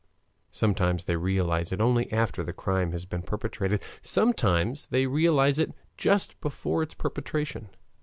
Sometimes they realize it only after the crime has been perpetrated, sometimes they realize it just before its perpetration.